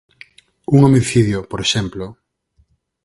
Un homicidio, por exemplo.